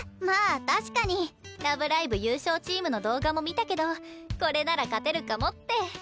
まあ確かに「ラブライブ！」優勝チームの動画も見たけどこれなら勝てるかもって。